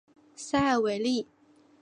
塞尔维利。